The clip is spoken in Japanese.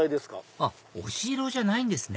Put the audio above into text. あっお城じゃないんですね